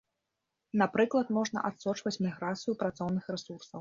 Напрыклад, можна адсочваць міграцыю працоўных рэсурсаў.